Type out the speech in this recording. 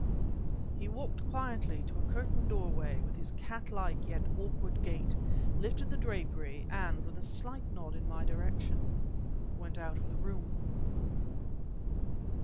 He walked quietly to a curtained doorway, with his cat like yet awkward gait, lifted the drapery, and, with a slight nod in my direction, went out of the room.